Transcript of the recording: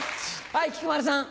はい菊丸さん。